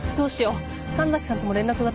神崎さんとも連絡が取れない。